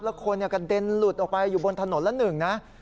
แล้วคนกระเด็นหลุดออกไปอยู่บนถนนละหนึ่งนะ